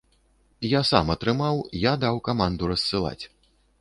Я сам атрымаў, я даў каманду рассылаць.